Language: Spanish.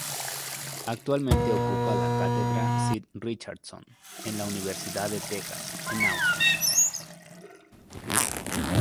Actualmente ocupa la Cátedra Sid Richardson en la Universidad de Texas en Austin.